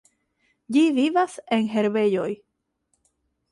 Ĝi vivas en herbejoj.